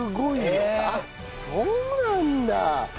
へえそうなんだ！